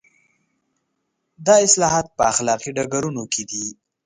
دا اصلاحات په اخلاقي ډګرونو کې دي.